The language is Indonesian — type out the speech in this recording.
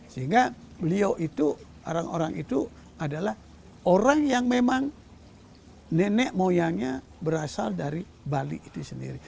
sehingga beliau itu orang orang itu adalah orang yang memang nenek moyangnya berasal dari bali itu sendiri